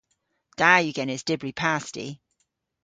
Da yw genes dybri pasti.